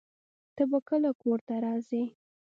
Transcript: ته به کله کور ته راځې؟